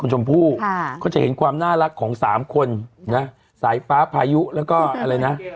ชมพู่ก็จะเห็นความน่ารักของสามคนนะสายฟ้าพายุแล้วก็อะไรนะ